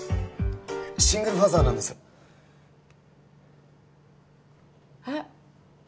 シングルファザーなんですえっ？